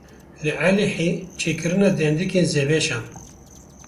Li Êlihê çêkirina dendikên zebeşan.